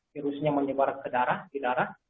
virusnya menyebar ke darah